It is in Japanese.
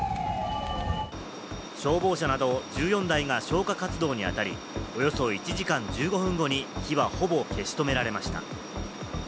消防車など１４台が消火活動にあたり、およそ１時間１５分後に火はほぼ消し止められました。